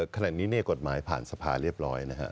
ขณะนี้กฎหมายผ่านสภาเรียบร้อยนะฮะ